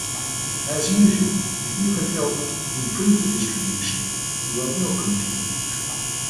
As usual, if you can help improve the distribution, you are welcome to.